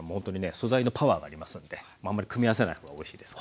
素材のパワーがありますのであんまり組み合わせない方がおいしいですから。